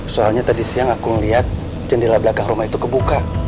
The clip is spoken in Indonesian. soalnya tadi siang aku melihat jendela belakang rumah itu kebuka